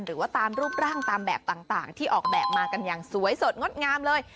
หรือว่าตามรูปร่างตามแบบต่างที่ออกแบบมากันอย่างสวยสดงดงามเลย